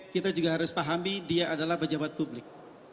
kita juga harus pahami dia adalah pejabat publik